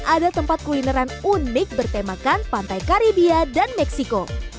ada tempat kulineran unik bertemakan pantai karibia dan meksiko